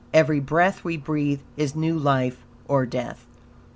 Every breath we breathe is new life, or death.